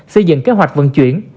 xây dựng kế hoạch vận chuyển